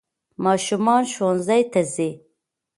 ماشومان ښونځي ته ځي